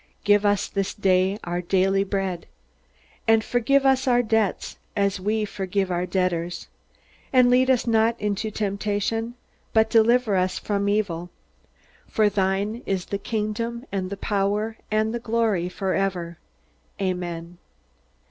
Give us this day our daily bread. And forgive us our debts, as we forgive our debtors. And lead us not into temptation, but deliver us from evil; for thine is the kingdom, and the power, and the glory, for ever. Amen."